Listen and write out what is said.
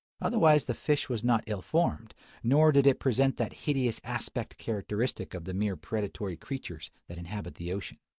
Otherwise the fish was not ill formed; nor did it present that hideous aspect characteristic of the more predatory creatures that inhabit the ocean.